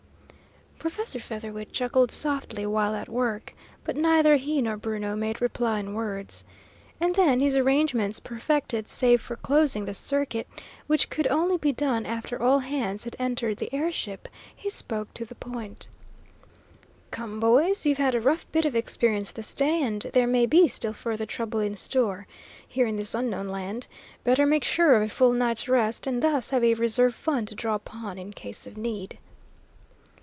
Professor Featherwit chuckled softly while at work, but neither he nor Bruno made reply in words. And then, his arrangements perfected save for closing the circuit, which could only be done after all hands had entered the air ship, he spoke to the point: "Come, boys. You've had a rough bit of experience this day, and there may be still further trouble in store, here in this unknown land. Better make sure of a full night's rest, and thus have a reserve fund to draw upon in case of need."